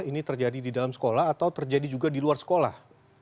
ini terjadi di dalam sekolah atau terjadi juga di luar sekolah